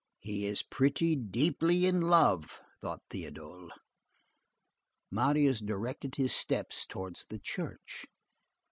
"He is pretty deeply in love!" thought Théodule. Marius directed his steps towards the church.